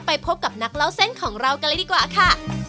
ไปพบกับนักเล่าเส้นของเรากันเลยดีกว่าค่ะ